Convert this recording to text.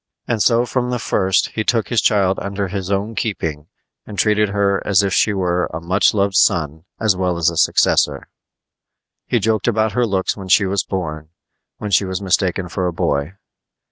And so from the first he took his child under his own keeping and treated her as if she were a much loved son as well as a successor. He joked about her looks when she was born, when she was mistaken for a boy.